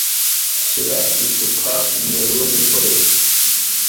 Shyira icupa mbere yo gukoresha.